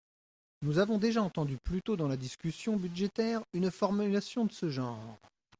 Nous avons déjà entendu plus tôt dans la discussion budgétaire une formulation de ce genre.